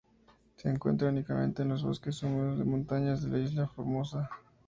Se encuentra únicamente en los bosques húmedos de montañas de la isla de Formosa.